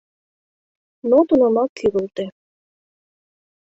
Но тунамак кӱрылтӧ.